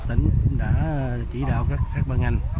tỉnh đã chỉ đạo các băng ngành